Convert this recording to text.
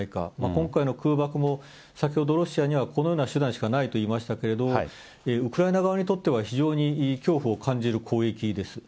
今回の空爆も、先ほどロシアにはこのような手段しかないと言いましたけど、ウクライナ側にとっては、非常に恐怖を感じる攻撃です。